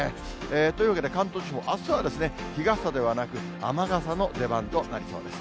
というわけで、関東地方、あすは日傘ではなく、雨傘の出番となりそうです。